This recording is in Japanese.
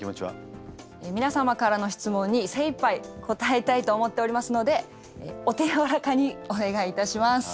皆様からの質問に精いっぱい答えたいと思っておりますのでお手柔らかにお願いいたします。